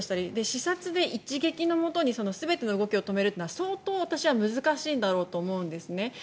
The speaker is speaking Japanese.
刺殺で一撃のもとに全ての動きを止めるというのは相当難しいと思うんです。